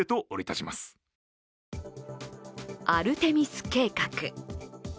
アルテミス計画。